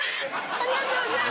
ありがとうございます。